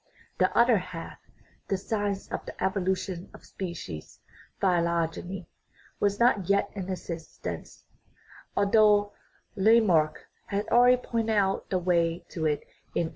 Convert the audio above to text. The other half, the science of the evolution of species, phytogeny, was not yet in existence, although Lamarck had already pointed out the way to it in 1809.